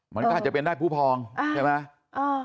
มันก็อาจจะเป็นได้ผู้พองใช่ไหม